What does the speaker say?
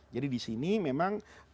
jadi disini memang